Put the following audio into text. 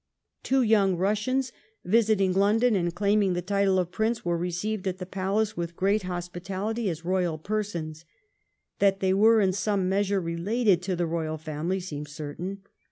' Two young Kussians visiting London and claiming the title of prince were received at the palace with great hospitality as royal persons. That they were in some measure related to the royal family seems certain.